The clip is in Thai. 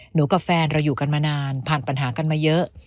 กับแฟนเราอยู่กันมานานผ่านปัญหากันมาเยอะ